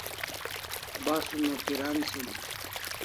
Basun o piran sin